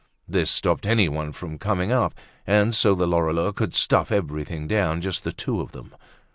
This stopped anyone from coming up, and so the Lorilleuxs could stuff everything down, just the two of them.